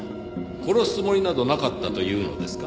殺すつもりなどなかったと言うのですか？